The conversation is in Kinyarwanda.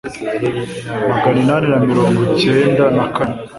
magana inani na mirango ncyenda na kane